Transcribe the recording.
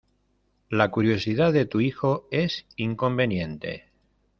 La curiosidad de tu hijo es inconveniente.